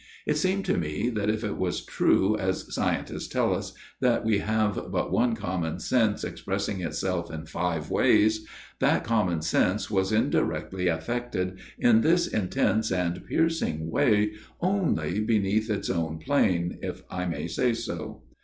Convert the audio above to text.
It seemed to me that if it was true, as scientists tell us, that we have but one common sense expressing itself in five ways, that common sense was indirectly affected in 100 A MIRROR OF SHALOTT this intense and piercing way only beneath its own plane, if I may say so.